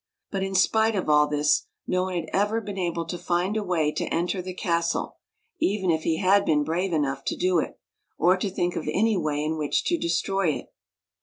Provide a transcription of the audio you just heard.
But, in spite of all this, no one had ever been able to find a way to enter the castle, even if he had been brave enough to do it, or to think of any way in which to destroy it.